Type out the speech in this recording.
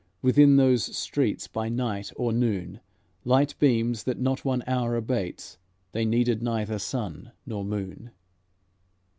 Within those streets by night or noon, Light beams that not one hour abates; They needed neither sun nor moon.